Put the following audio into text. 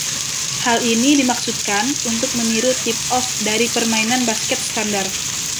Hal ini dimaksudkan untuk meniru "tip-off" dari permainan basket standar.